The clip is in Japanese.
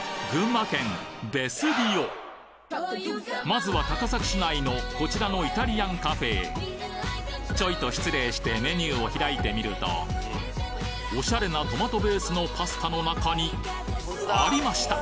まずは高崎市内のこちらのイタリアンカフェへちょいと失礼してメニューを開いてみるとおしゃれなトマトベースのパスタの中にありました！